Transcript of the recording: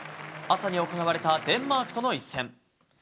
朝に行われたデンマークとの一戦。